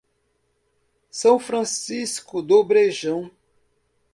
São Francisco do Brejão